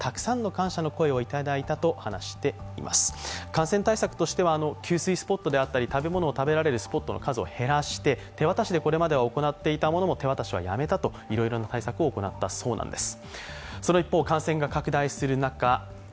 感染対策としては給水スポットであったり食べ物を食べられるスポットの数を減らして手渡しでこれまでは行っていたものも、手渡しをやめたりいろいろな対策を行ったそうなんです。